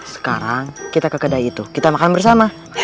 sekarang kita ke kedai itu kita makan bersama